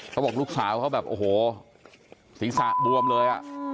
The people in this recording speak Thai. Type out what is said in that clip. เขาบอกลูกสาวเขาแบบโหสิงสะปุ่มเลยอ่ะ